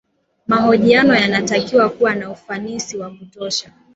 mahojiano yanatakiwa kuwa na ufanisi wa kutosha